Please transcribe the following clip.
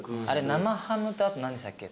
生ハムとあと何でしたっけ？